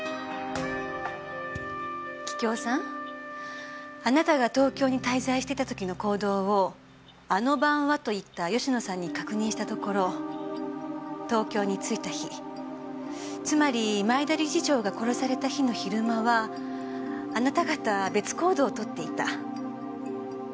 桔梗さんあなたが東京に滞在してた時の行動を「あの晩は」と言った吉乃さんに確認したところ東京に着いた日つまり前田理事長が殺された日の昼間はあなた方別行動をとっていた。